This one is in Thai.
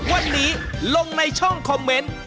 วันนี้ลงในช่องคอมเมนต์